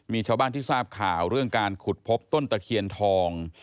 มีชาวบ้านที่ทราบข่าวเรื่องการขุดพบต้นตะเคียนทอง